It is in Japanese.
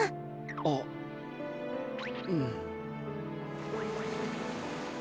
あっうん。